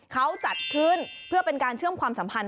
เขาจัดขึ้นเพื่อเป็นการเชื่อมความสัมพันธ